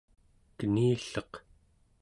kenilleq